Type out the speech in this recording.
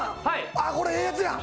ああこれええやつやん。